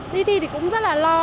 đi thi thì cũng rất là lo